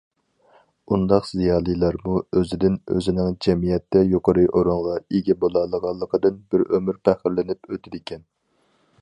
ئۇنداق زىيالىيلارمۇ ئۆزىدىن، ئۆزىنىڭ جەمئىيەتتە يۇقىرى ئورۇنغا ئىگە بولالىغانلىقىدىن بىر ئۆمۈر پەخىرلىنىپ ئۆتىدىكەن.